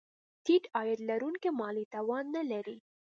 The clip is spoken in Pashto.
ټیټ عاید لرونکي مالي توان نه لري.